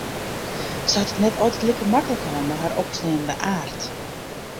Se hat it net altyd like maklik mei har opfleanende aard.